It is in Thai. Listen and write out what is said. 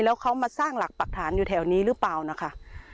แล้วเขามาสร้างหลักปรักฐานอยู่แถวนี้หรือเปล่านะคะ